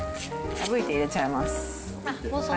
破いて入れちゃいます。